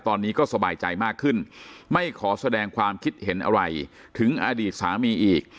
ตอนนี้ก็สบายใจมากขึ้นไม่ขอแสดงความคิดเห็นอะไรถึงอดีตสามีอีก